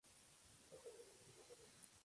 Wien Mus.